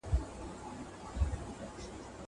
دا سينه سپينه له هغه پاکه ده!